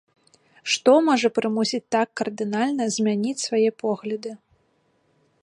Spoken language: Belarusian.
Што можа прымусіць так кардынальна змяніць свае погляды?